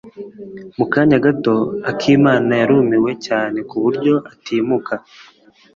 Mu kanya gato, akimana yarumiwe cyane ku buryo atimuka.